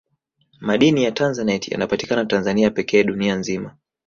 madini ya tanzanite yanapatikana tanzania pekee dunia nzima